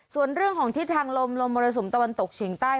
ส่วนเรื่องของทิศทางลมลมมรสุมตะวันตกเฉียงใต้